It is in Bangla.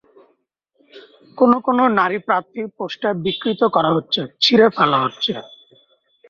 কোনো কোনো নারী প্রার্থীর পোস্টার বিকৃত করা হচ্ছে, ছিঁড়ে ফেলা হচ্ছে।